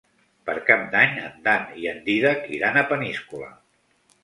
Per Cap d'Any en Dan i en Dídac iran a Peníscola.